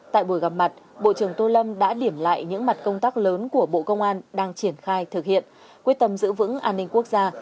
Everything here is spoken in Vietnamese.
tại buổi gặp mặt bộ trưởng tô lâm đã điểm lại những mặt công tác lớn của bộ công an đang triển khai thực hiện quyết tâm giữ vững an ninh quốc gia